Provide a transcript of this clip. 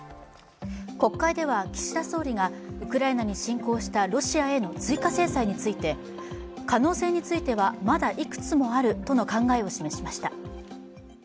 国会では岸田総理がウクライナに侵攻したロシアへの追加制裁について、可能性についてはまだいくつもあるとの考えを示しました。